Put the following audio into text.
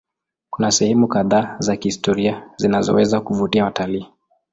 Kuna sehemu kadhaa za kihistoria zinazoweza kuvutia watalii.